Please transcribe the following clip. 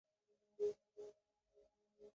胎生紫堇为罂粟科紫堇属下的一个种。